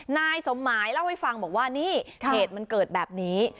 นายสมหมายเล่าให้ฟังบอกว่านี่เหตุมันเกิดแบบนี้